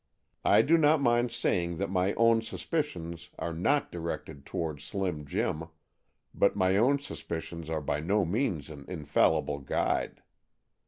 I do not mind saying that my own suspicions are not directed toward Slim Jim, but my own suspicions are by no means an infallible guide.